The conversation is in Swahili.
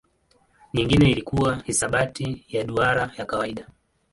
Nyingine ilikuwa hisabati ya duara ya kawaida.